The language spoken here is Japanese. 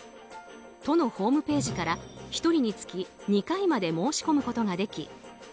都のホームページから１人につき２回まで申し込むことができ